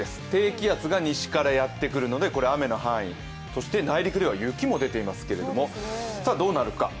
低気圧が西からやってくるので雨の範囲、そして内陸では雪も出ていますけれども、さあどうなるか。